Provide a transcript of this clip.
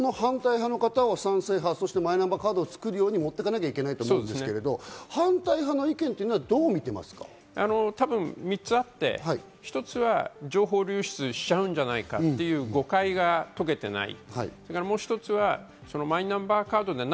この反対派の方は賛成派、そしてマイナンバーカードを作るように持っていかなきゃいけないっていうことですけど、反対派の意見っていうのはどうみたぶん３つあって、一つは、情報流出しちゃうんじゃないかっていう誤解が解けていない。